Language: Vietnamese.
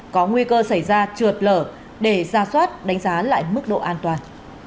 có nguy cơ xảy ra trượt lở để ra soát đánh giá lại mức độ an toàn